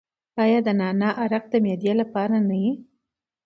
آیا عرق نعنا د معدې لپاره نه دی؟